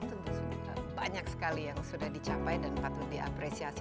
tentu banyak sekali yang sudah dicapai dan patut diapresiasi